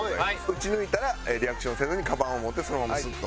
撃ち抜いたらリアクションをせずにカバンを持ってそのままスッと。